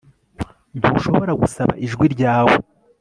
Ntushobora gusaba ijwi ryawe